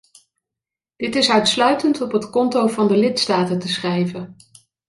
Dit is uitsluitend op het conto van de lidstaten te schrijven.